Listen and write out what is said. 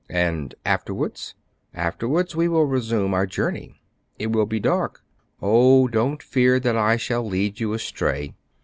" And afterwards }"Afterwards we will resume our journey." " It will be dark." "Oh, don't fear that I shall lead you astray!